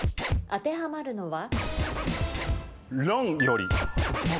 当てはまるのは？